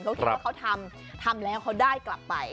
เขาทำแล้วเขาได้กลับไป